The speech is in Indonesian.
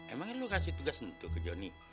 emangnya lo kasih tugas untuk johnny